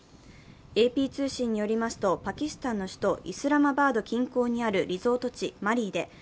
ＡＰ通信によりますと、パキスタンスの首都イスラマバード近郊にあるリゾート地マリーで、